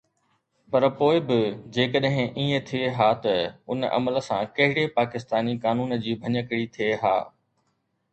پر پوءِ به جيڪڏهن ائين ٿئي ها ته ان عمل سان ڪهڙي پاڪستاني قانون جي ڀڃڪڙي ٿئي ها؟